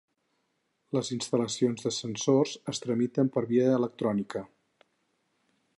Les instal·lacions d'ascensors es tramiten per via electrònica.